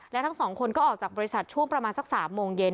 และทั้งสองคนก็ออกจากบริษัทช่วงประมาณสัก๓โมงเย็น